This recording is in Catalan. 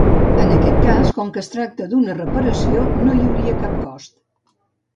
En aquest cas, com es tracta d'una reparació no hi hauria cap cost.